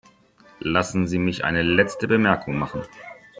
Lassen Sie mich eine letzte Bemerkung machen!